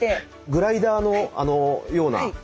グライダーのような。